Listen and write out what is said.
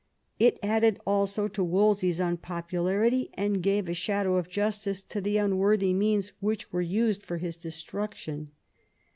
It added also to Wolsey's unpopularity, and gave a shadow of justice to the unworthy means which were used for his destruction.